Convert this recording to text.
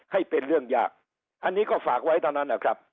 ให้เป็นเรื่องยากอันนี้ก็ฝากไว้เท่านั้นนะครับ